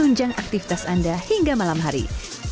dan menunjang aktivitas anda hingga malam hari